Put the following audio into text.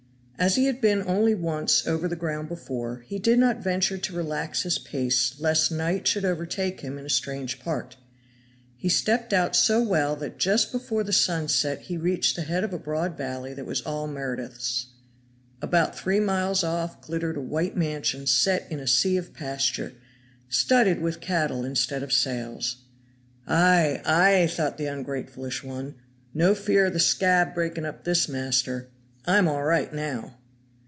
As he had been only once over the ground before, he did not venture to relax his pace lest night should overtake him in a strange part. He stepped out so well that just before the sun set he reached the head of a broad valley that was all Meredith's. About three miles off glittered a white mansion set in a sea of pasture, studded with cattle instead of sails. "Ay! ay!" thought the ungratefulish one, no fear of the scab breaking up this master "I'm all right now."